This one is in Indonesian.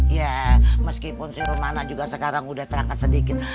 ya meskipun si rumana juga sekarang udah terangkat sedikit